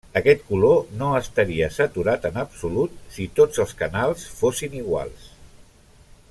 Aquest color no estaria saturat en absolut si tots els canals fossin iguals.